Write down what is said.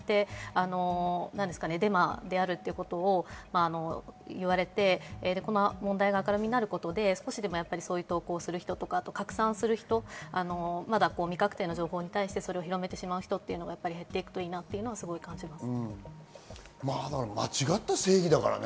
デマであるということを言われて、問題が明るみになることで、少しでも、そういう投稿する人とか拡散する人、未確定な情報に対して広めてしまう人が減っていくといいなと思い間違った正義だからね。